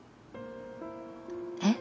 えっ？